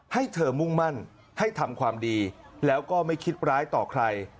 ให้เธอมุ่งมั่นให้ทำความดีแล้วก็ไม่คิดร้ายต่อใคร